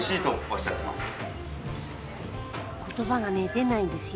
言葉がね出ないんですよ。